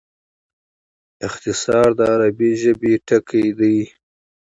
اختصار د عربي ژبي ټکی دﺉ.